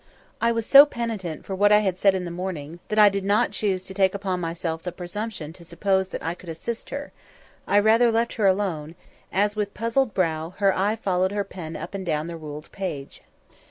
I was so penitent for what I had said in the morning, that I did not choose to take upon myself the presumption to suppose that I could assist her; I rather left her alone, as, with puzzled brow, her eye followed her pen up and down the ruled page.